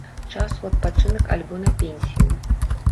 Час у адпачынак альбо на пенсію.